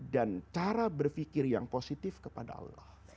dan cara berpikir yang positif kepada allah